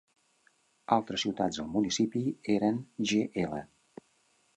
Altres ciutats al municipi eren Gl.